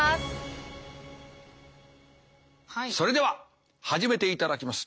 それでは始めていただきます。